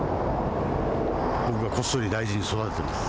僕がこっそり大事に育てています。